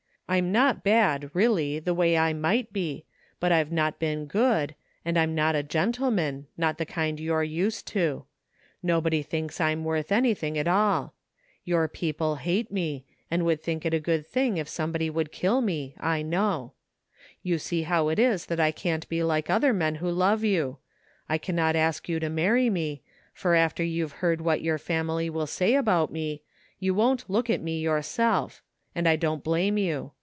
I'm not bad, really, the way I might be, but I've not been good, and I'm not a gentleman, not the kind you're used to. Nobody thinks I'm worth anything at all. Your people hate me, and would think it a good thing if scwnebody would kill me, I know. You see how it is that I can't be like other men who love you. I cannot 80 THE FINDING OF JASPER HOLT ask you to marry me ; for after you've heard what your family will say about me you won't look at me yoiu* self — ^and I don't blame you.